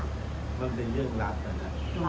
มันเป็นเรื่องรักนะ